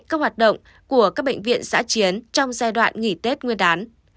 các hoạt động của các bệnh viện giã chiến trong giai đoạn nghỉ tết nguyên đán